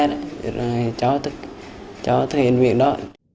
thì cháu thấy miệng đó